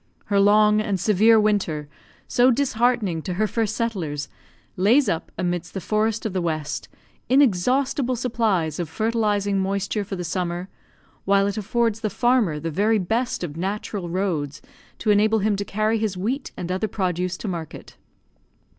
Her long and severe winter, so disheartening to her first settlers, lays up, amidst the forests of the West, inexhaustible supplies of fertilising moisture for the summer, while it affords the farmer the very best of natural roads to enable him to carry his wheat and other produce to market.